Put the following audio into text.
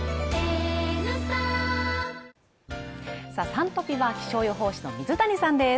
「Ｓｕｎトピ」は気象予報士の水谷さんです。